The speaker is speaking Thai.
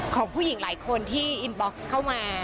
ของผู้หญิงหลายคนที่อินบ็อกซ์เข้ามา